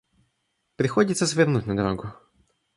Приходится свернуть на дорогу.